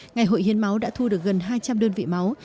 ngày hội hiến máu đã thu được gần hai trăm linh đơn vị máu